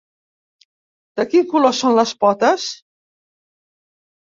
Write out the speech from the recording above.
De quin color són les potes?